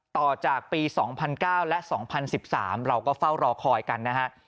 ต่อจากปี๒๐๐๙และ๒๐๑๓เราก็เฝ้ารอคอยกันนะฮะ